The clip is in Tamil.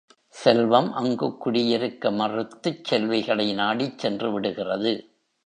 செல்வம் அங்குக் குடியிருக்க மறுத்துச் செல்விகளை நாடிச் சென்றுவிடுகிறது.